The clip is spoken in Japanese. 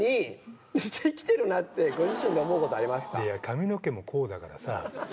髪の毛もこうだからさ。